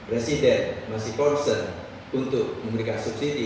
resident masih porsen untuk memberikan subsidi